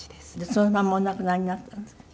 そのままお亡くなりになった？